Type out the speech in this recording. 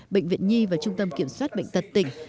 bệnh viện nhi và trung tâm kiểm soát bệnh tật tỉnh